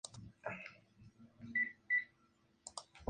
Ooh, she's a little runaway.